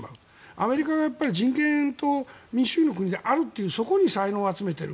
アメリカが人権と民主主義の国であるというそこに才能を集めている。